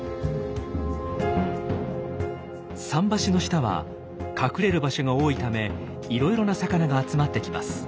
桟橋の下は隠れる場所が多いためいろいろな魚が集まってきます。